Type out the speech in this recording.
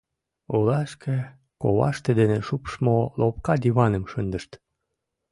Улашке коваште дене шупшмо лопка диваным шындышт.